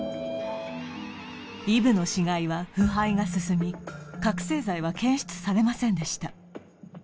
イブの死骸は腐敗が進み覚醒剤は検出されませんでした